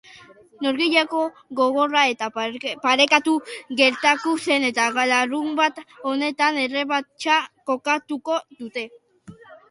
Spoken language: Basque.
Norgehiagoka gogorra eta parekatua gertatu zen, eta larunbat honetan errebantxa jokatuko dute.